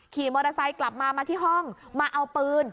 ขี่มอเตอร์ไซค์กลับมามาที่ห้องมาเอาปืน